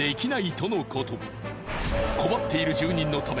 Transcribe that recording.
困っている住人のため